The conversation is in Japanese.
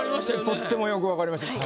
とってもよく分かりました。